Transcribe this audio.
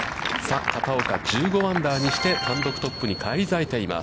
片岡、１５アンダーにして、単独トップに返り咲いています。